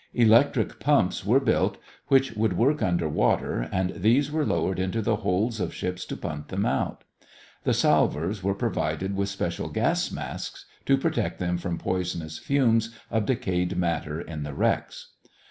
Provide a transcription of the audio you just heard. Electric pumps were built which would work under water and these were lowered into the holds of ships to pump them out. The salvors were provided with special gas masks to protect them from poisonous fumes of decayed matter in the wrecks.